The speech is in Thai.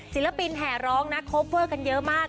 ศิลปินแห่ร้องนะโคเวอร์กันเยอะมาก